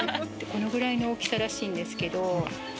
このぐらいの大きさらしいんですけど。